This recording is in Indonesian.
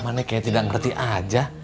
amannya kayaknya tidak ngerti aja